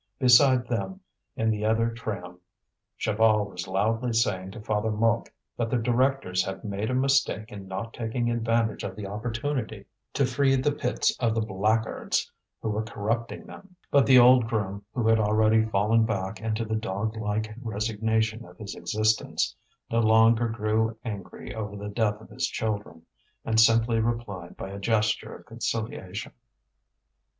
Beside them, in the other tram, Chaval was loudly saying to Father Mouque that the directors had made a mistake in not taking advantage of the opportunity to free the pits of the blackguards who were corrupting them; but the old groom, who had already fallen back into the dog like resignation of his existence, no longer grew angry over the death of his children, and simply replied by a gesture of conciliation.